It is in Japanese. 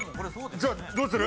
じゃあどうする？